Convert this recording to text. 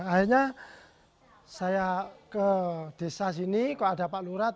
akhirnya saya ke desa sini kok ada pak lura